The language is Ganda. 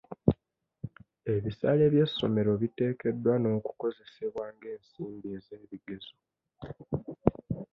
Ebisale by'essomero biteekeddwa n'okukozesebwa ng'ensimbi ez'ebigezo.